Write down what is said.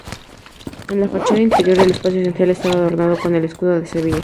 En la fachada interior el espacio central estaba adornado con el escudo de Sevilla.